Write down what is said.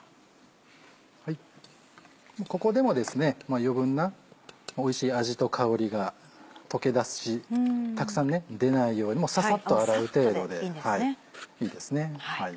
ここでも余分なおいしい味と香りが溶け出すしたくさん出ないようにもうササっと洗う程度でいいですね。